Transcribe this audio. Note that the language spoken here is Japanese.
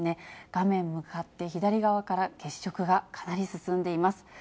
画面向かって左側から月食がかなり進んでいます。